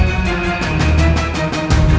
jangan lagi dikutriku